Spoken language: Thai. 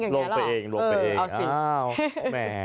ลงไปเองลงไปเองเอ้าสิ